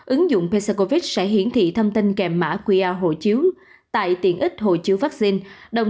ứng dụng pccovid sẽ hiển thị thông tin kèm mã qr hộ chiếu tại tiện ích hộ chiếu vắc xin đồng